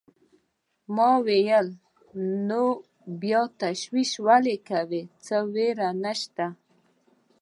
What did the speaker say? ما وویل: نو بیا تشویش ولې کوې، څه وېره نشته.